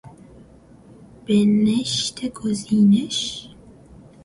بنشت گزینش